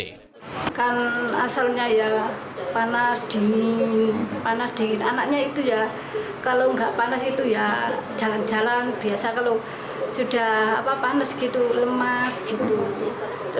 kan asalnya ya panas dingin panas dingin anaknya itu ya kalau nggak panas itu ya jalan jalan biasa kalau sudah panas gitu lemas gitu